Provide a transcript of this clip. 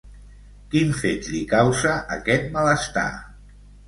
Quin fet li causa aquest malestar?